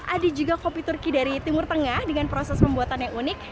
ada juga kopi turki dari timur tengah dengan proses pembuatan yang unik